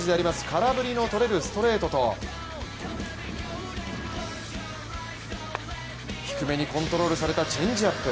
空振りのとれるストレートと低めにコントロールされたチェンジアップ。